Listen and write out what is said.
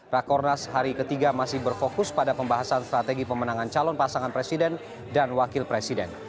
rakornas hari ketiga masih berfokus pada pembahasan strategi pemenangan calon pasangan presiden dan wakil presiden